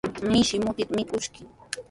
Mishki mutita mikushun.